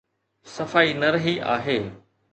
صفائي نه رهي آهي.